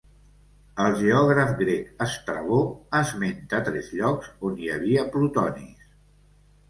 El geògraf grec Estrabó esmenta tres llocs on hi havia plutonis.